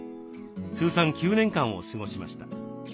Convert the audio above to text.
通算９年間を過ごしました。